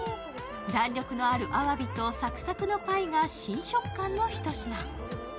弾力のあるアワビとサクサクのパイが新食感の一品。